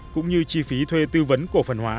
cũng như chi phí thuê tư vấn cổ phần hóa